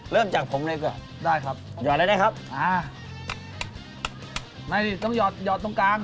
เริ่มจากผมเลยก่อนได้ครับหยอดอะไรได้ครับอ่ามาดิต้องหยอดหยอดตรงกลาง